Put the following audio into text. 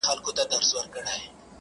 ستـا د سونډو رنگ.